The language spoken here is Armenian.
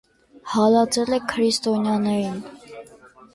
Հալածել է քրիստոնյաներին։